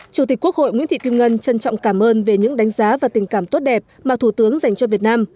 chủ tịch quốc hội nguyễn thị kim ngân trân trọng cảm ơn về những đánh giá và tình cảm tốt đẹp mà thủ tướng dành cho việt nam